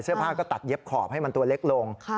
เสื้อผ้าก็ตัดเย็บขอบให้มันตัวเล็กลง